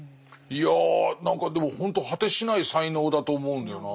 いや何かでもほんと果てしない才能だと思うんだよな。